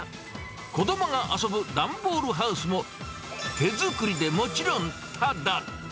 子どもが遊ぶ段ボールハウスも手作りでもちろんただ。